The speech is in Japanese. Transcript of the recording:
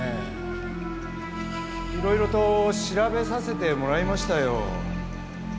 色々と調べさせてもらいましたよ